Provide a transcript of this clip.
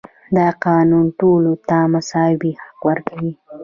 دا قانون ټولو ته مساوي حق ورکوي.